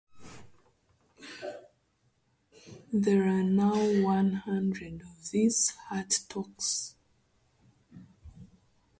There are now one hundred of these 'Heart Talks.'